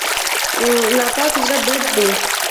ناپاک زړه بد دی.